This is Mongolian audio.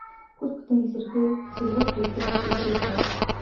Бүхэл бүтэн эсэргүү бүлэг илрээд байна.